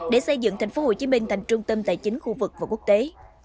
để xây dựng thành phố hồ chí minh thành trung tâm tài chính khu vực và quốc tế